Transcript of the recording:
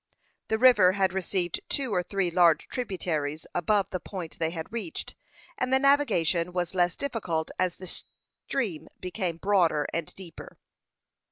The river had received two or three large tributaries above the point they had reached, and the navigation was less difficult as the stream became broader and deeper.